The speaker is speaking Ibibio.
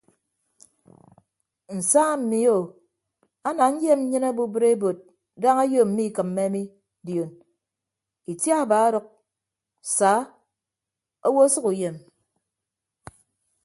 Nsa mi o ana nyem nyịn obubịd ebod daña ayo mmikịmme mi dion itiaba ọdʌk saa owo ọsʌk uyem.